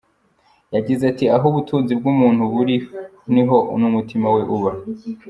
Yagize ati “Aho ubutunzi bw’umuntu buri niho n’umutima we uba.